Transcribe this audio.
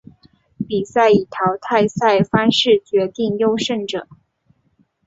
比赛以淘汰赛方式决定优胜者。